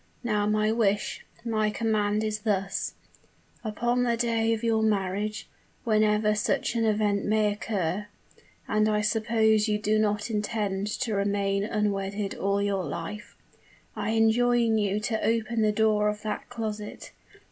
Now my wish my command is this: Upon the day of your marriage, whenever such an event may occur and I suppose you do not intend to remain unwedded all your life I enjoin you to open the door of that closet.